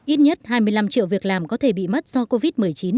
ít nhất hai mươi năm triệu việc làm có thể bị mất do covid một mươi chín